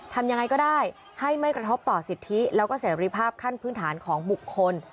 ทำยังไงก็ได้ให้ไม่กระทบต่อสิทธิแล้วก็เสรีภาพขั้นพื้นฐานของบุคคล